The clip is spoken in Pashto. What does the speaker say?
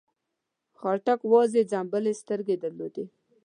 خاټک وازې ځمبېدلې سترګې درلودې.